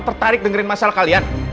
tertarik dengerin masalah kalian